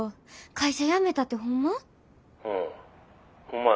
会社辞めたってホンマ？